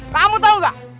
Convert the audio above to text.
kamu tau gak